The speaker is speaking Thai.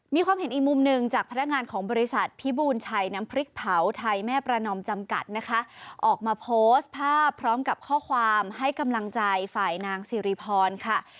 มีความเห็นอีกมุมหนึ่งจากพนักงานของบริษัทพิบูรณ์ชัยน้ำพริกเผาไทยแม่ประนอมจำกัดนะคะออกมาโพสต์ภาพพร้อมกับข้อความให้กำลังใจฝ่ายนางสิริพรค่ะ